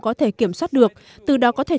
có thể kiểm soát được từ đó có thể